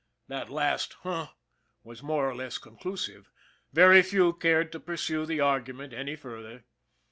" That last " h'm " was more or less conclusive very few cared to pursue the argument any further.